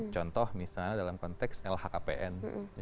contoh misalnya dalam konteks lhkpn